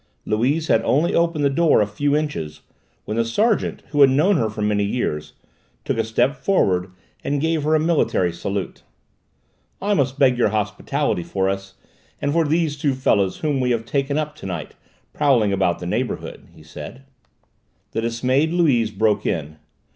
Louise had only opened the door a few inches when the sergeant, who had known her for many years, took a step forward and gave her a military salute. "I must ask your hospitality for us and for these two fellows whom we have taken up to night, prowling about the neighbourhood," he said. The dismayed Louise broke in.